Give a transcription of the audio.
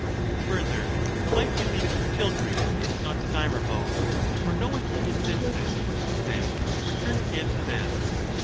Further, the life we lead as children is not desirable,* for no one in his senses would consent to return again to this.